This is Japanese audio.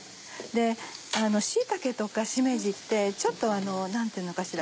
椎茸とかしめじってちょっと何ていうのかしら。